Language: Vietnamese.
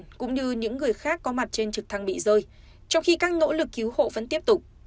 cũng như những người khác có mặt trên trực thăng bị rơi trong khi các nỗ lực cứu hộ vẫn tiếp tục